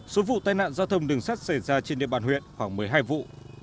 số vụ tai nạn giao thông đường sắt xảy ra trên địa bàn huyện khoảng một mươi hai vụ